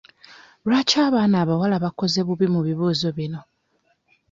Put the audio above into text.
Lwaki abaana abawala baakoze bubi mu bibuuzo bino?